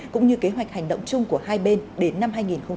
cũng như kế hoạch hành động chung của hai bên đến năm hai nghìn hai mươi